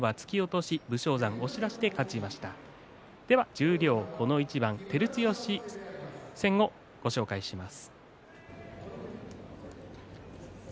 十両この一番照強戦をご紹介します。